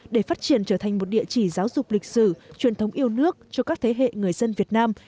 để phát triển trở thành một địa chỉ giáo dục lịch sử truyền thống yêu nước cho các thế hệ người dân việt nam